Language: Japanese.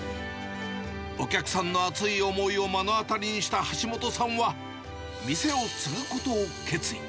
お客さんの熱い思いを目の当たりにした橋本さんは、店を継ぐことを決意。